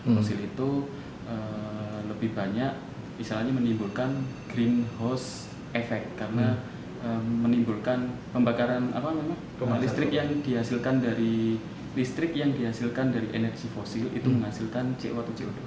fosil itu lebih banyak misalnya menimbulkan greenhouse effect karena menimbulkan pembakaran listrik yang dihasilkan dari energi fosil itu menghasilkan co dua